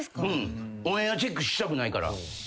オンエアチェックしたくないから。